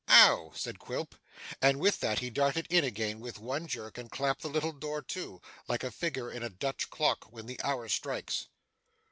'Oh!' said Quilp. And with that, he darted in again with one jerk and clapped the little door to, like a figure in a Dutch clock when the hour strikes.